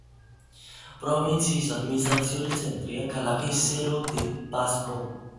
პროვინციის ადმინისტრაციული ცენტრია ქალაქი სერო-დე-პასკო.